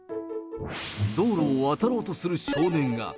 道路を渡ろうとする少年が。